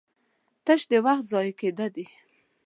تش د وخت ضايع کېده دي